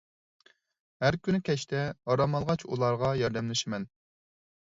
ھەر كۈنى كەچتە ئارام ئالغاچ ئۇلارغا ياردەملىشىمەن.